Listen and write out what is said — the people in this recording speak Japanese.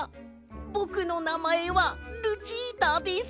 ぼくのなまえはルチータです。